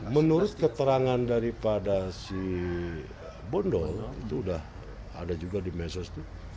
menurut keterangan dari pada si bondol itu udah ada juga di mesos itu